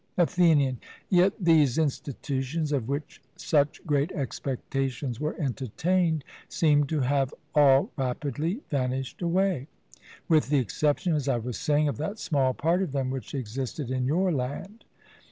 ATHENIAN: Yet these institutions, of which such great expectations were entertained, seem to have all rapidly vanished away; with the exception, as I was saying, of that small part of them which existed in your land.